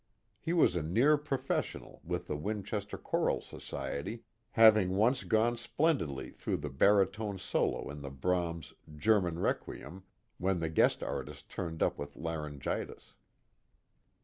He was a near professional with the Winchester Choral Society, having once gone splendidly through the baritone solo in the Brahms German Requiem when the guest artist turned up with laryngitis.